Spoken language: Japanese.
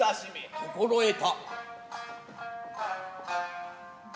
心得た。